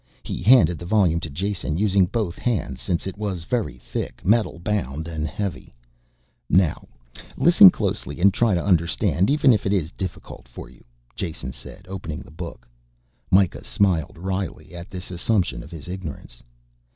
He handed the volume to Jason, using both hands since it was very thick, metal bound and heavy. "Now listen closely and try and understand, even if it is difficult for you," Jason said, opening the book. Mikah smiled wryly at this assumption of his ignorance.